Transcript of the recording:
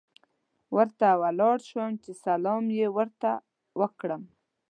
ورته ولاړ شوم چې سلام یې ورته وکړم.